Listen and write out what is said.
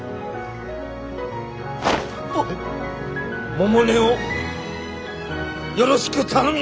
百音をよろしく頼みます。